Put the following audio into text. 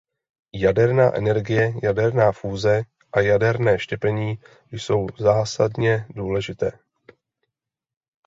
Jaderná energie, jaderná fúze a jaderné štěpení jsou zásadně důležité.